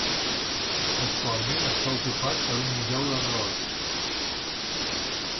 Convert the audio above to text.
Actualment està ocupat per un Museu de rellotges.